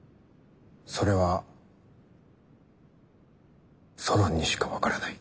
それはソロンにしか分からない。